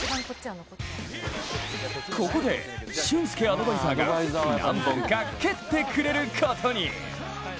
ここで俊輔アドバイザーが何本か蹴ってくれることに！